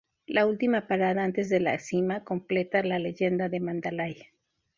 La última parada antes de la cima completa la leyenda de Mandalay.